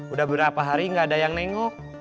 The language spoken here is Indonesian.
udah berapa hari gak ada yang nengok